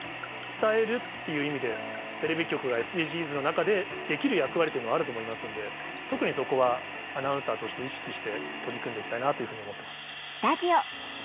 伝えるっていう意味でテレビ局がＳＤＧｓの中でできる役割というのはあると思いますんで特にそこはアナウンサーとして意識して取り組んで行きたいなというふうに思ってます。